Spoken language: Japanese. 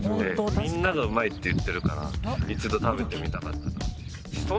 みんながうまいって言ってるから一度食べてみたかった。